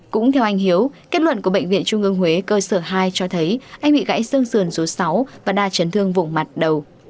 cũng theo anh hiếu kết luận của bệnh viện trung ương huế cơ sở hai cho thấy anh bị gãy xương sườn số sáu và đa chấn thương vùng mặt đầu